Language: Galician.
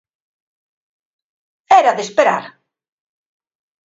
Era de esperar.